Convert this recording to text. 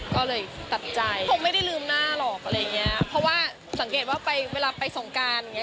ก็เลยตัดใจคงไม่ได้ลืมหน้าหรอกอะไรอย่างเงี้ยเพราะว่าสังเกตว่าไปเวลาไปสงการอย่างเง